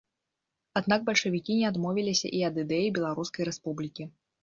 Аднак бальшавікі не адмовіліся і ад ідэі беларускай рэспублікі.